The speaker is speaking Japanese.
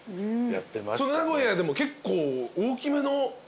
名古屋でも結構大きめの？